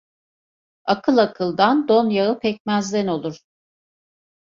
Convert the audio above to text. Akıl akıldan, don yağı pekmezden olur.